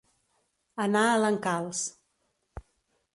Anar a l'encalç.